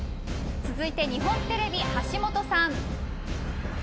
続いて日本テレビ、橋本さん。